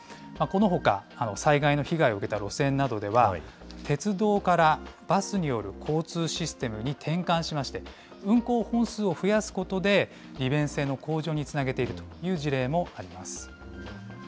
このほか災害の被害を受けた路線などでは、鉄道からバスによる交通システムに転換しまして、運行本数を増やすことで、利便性の向上につなげているという事例もあります。